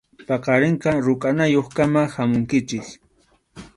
Paqarinqa rukʼanayuqkama hamunkichik.